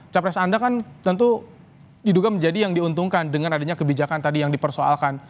capres anda kan tentu diduga menjadi yang diuntungkan dengan adanya kebijakan tadi yang dipersoalkan